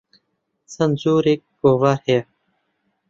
چەند جۆرێک گۆڤار هەیە.